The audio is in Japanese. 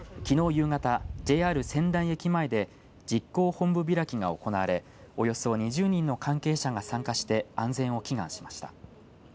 夕方、ＪＲ川内駅前で実行本部開きが行われおよそ２０人の関係者が参加して安全を祈願しました。